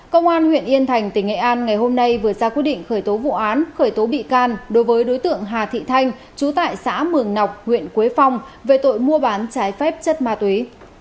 công an huyện yên thành tỉnh nghệ an ngày hôm nay vừa ra quyết định khởi tố vụ án khởi tố bị can đối với đối tượng hà thị thanh chú tại xã mường nọc huyện quế phong về tội mua bán trái phép chất ma túy